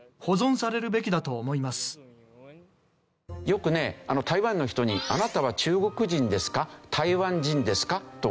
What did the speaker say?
よくね台湾の人に「あなたは中国人ですか？台湾人ですか？」と聞くとですね